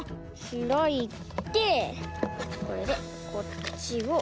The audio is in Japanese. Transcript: ひらいてこれでこっちを。